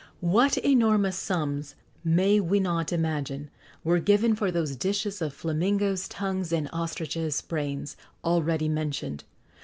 What enormous sums, may we not imagine, were given for those dishes of flamingoes' tongues and ostriches' brains already mentioned!